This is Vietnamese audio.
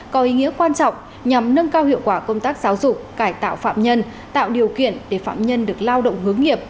có ý nghĩa quan trọng nhằm nâng cao hiệu quả công tác giáo dục cải tạo phạm nhân tạo điều kiện để phạm nhân được lao động hướng nghiệp